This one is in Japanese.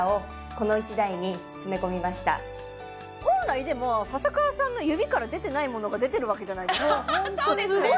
本来でも笹川さんの指から出てないものが出てるわけじゃないですかそうですね！